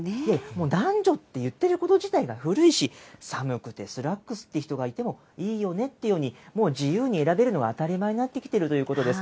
もう男女って言ってること自体が古いし、寒くてスラックスって人がいてもいいよねっていうように、もう自由に選べるのが当たり前になってきているということです。